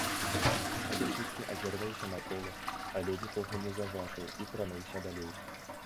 Лясніцкі азірнуўся наўкола, але нікога не заўважыў і крануўся далей.